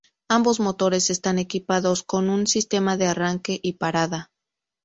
Ambos motores están equipados con un sistema de arranque y parada.